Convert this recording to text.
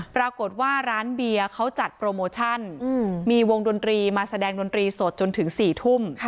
ปรากฏว่าร้านเบียร์เขาจัดโปรโมชั่นมีวงดนตรีมาแสดงดนตรีสดจนถึง๔ทุ่ม